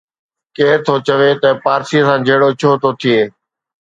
ڪير ٿو چوي ته پارسيءَ سان جهيڙو ڇو ٿو ٿئي.